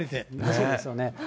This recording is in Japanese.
そうですよね。